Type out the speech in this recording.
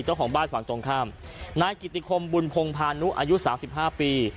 เจ้าของบ้านฝั่งตรงข้ามนายกิติคมบุญพงพานุอายุ๓๕ปี